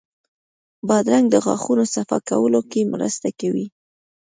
بادرنګ د غاښونو صفا کولو کې مرسته کوي.